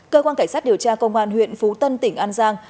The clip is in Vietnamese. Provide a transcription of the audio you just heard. cơ quan cảnh sát điều tra công an huyện phú tân tỉnh an giang